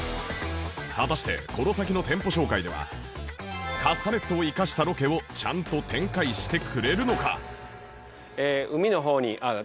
果たしてこの先の店舗紹介ではカスタネットを生かしたロケをちゃんと展開してくれるのか？